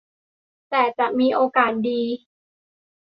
แต่จะมีโอกาสดี